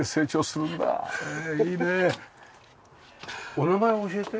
お名前を教えて。